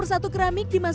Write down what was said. saya sudah kesana